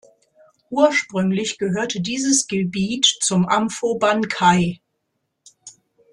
Ursprünglich gehörte dieses Gebiet zum Amphoe Ban Khai.